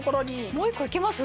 もう１個いけます？